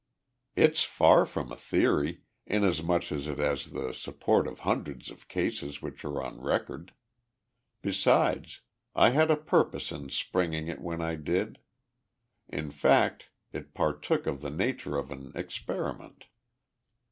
"It's far from a theory, inasmuch as it has the support of hundreds of cases which are on record. Besides, I had a purpose in springing it when I did. In fact, it partook of the nature of an experiment."